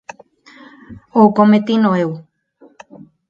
Ou cometino eu.